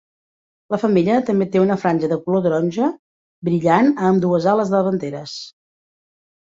La femella també té una franja de color taronja brillant a ambdues ales davanteres.